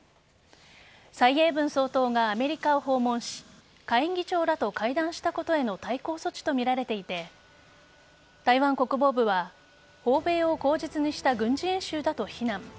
蔡英文総統がアメリカを訪問し下院議長らと会談したことへの対抗措置とみられていて台湾国防部は訪米を口実にした軍事演習だと非難。